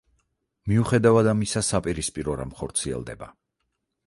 მიუხედავად ამისა, საპირისპირო რამ ხორციელდება.